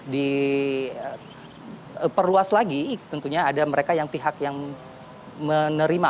di perluas lagi tentunya ada mereka yang pihak yang menerima